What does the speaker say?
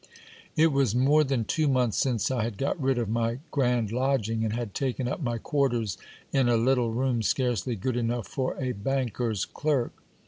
It was more than two months since I had got rid of my grand lodging, and had taken up my quarters in a little room scarcely good enough for a bank er's clerk.